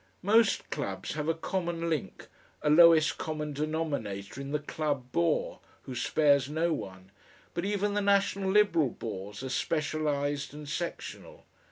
Most clubs have a common link, a lowest common denominator in the Club Bore, who spares no one, but even the National Liberal bores are specialised and sectional.